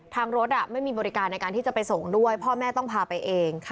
รถไม่มีบริการในการที่จะไปส่งด้วยพ่อแม่ต้องพาไปเอง